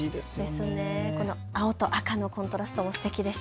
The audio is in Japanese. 青と赤のコントラスト、すてきです。